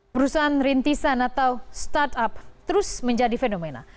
perusahaan rintisan atau startup terus menjadi fenomena